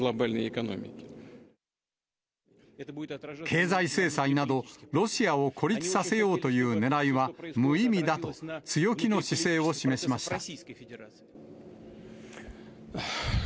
経済制裁など、ロシアを孤立させようというねらいは無意味だと、強気の姿勢を示しました。